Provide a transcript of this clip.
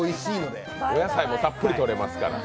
お野菜もたっぷりとれますから。